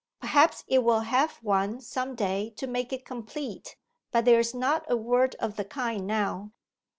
Perhaps it will have one some day to make it complete; but there's not a word of the kind now.